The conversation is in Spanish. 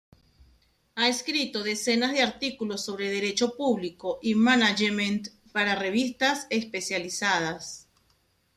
Ha escrito decenas de artículos sobre Derecho público y management para revistas especializadas.